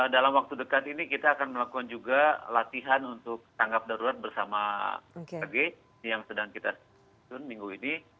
dalam waktu dekat ini kita akan melakukan juga latihan untuk tanggap darurat bersama ag yang sedang kita susun minggu ini